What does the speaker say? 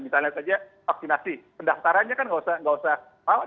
misalnya saja vaksinasi pendaftarannya kan nggak usah nggak usah rawat